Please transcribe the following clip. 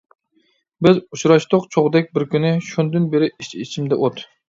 بىز ئۇچراشتۇق چوغدەك بىر كۈنى، شۇندىن بېرى ئىچ-ئىچىمدە ئوت.